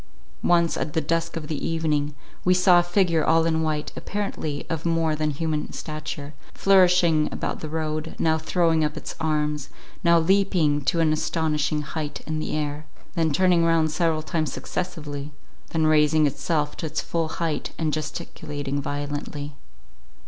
Once, at the dusk of the evening, we saw a figure all in white, apparently of more than human stature, flourishing about the road, now throwing up its arms, now leaping to an astonishing height in the air, then turning round several times successively, then raising itself to its full height and gesticulating violently.